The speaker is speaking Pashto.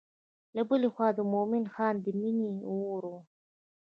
له بلې خوا د مومن خان مینې اور و.